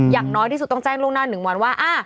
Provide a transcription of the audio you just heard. อย่างน้อยที่สุดต้องแจ้งล่วงหน้า๑วันว่า